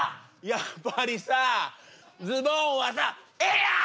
やっぱりさズボンはさええやん！